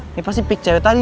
ini pasti pik cewek tadi